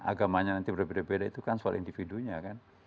agamanya nanti berbeda beda itu kan soal individunya kan